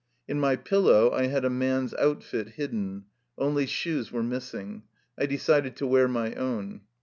In my pillow I had a man^s outfit hidden; only shoes were missing. I decided to wear my own.